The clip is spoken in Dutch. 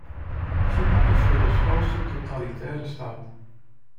China is 's werelds grootste totalitaire staat.